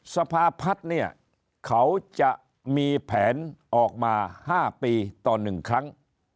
สภาพัฒน์เนี่ยเขาจะมีแผนออกมา๕ปีต่อ๑ครั้ง